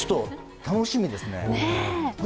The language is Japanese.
楽しみですね。